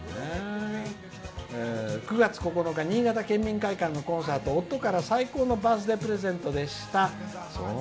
９月９日、新潟県民会館のコンサート、夫から最高のバースデープレゼントでした」。